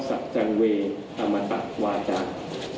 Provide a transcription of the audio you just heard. สัตว์จังเวย์อมตะวาจารย์